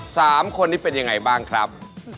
สามคนนี้เป็นยังไงบ้างครับ